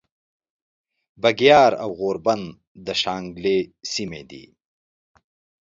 بګیاړ او غوربند د شانګلې سیمې دي